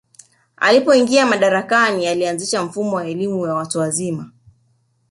alipoingia madarakani alianzisha mfumo wa elimu ya watu wazima